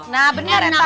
nah bener ya pak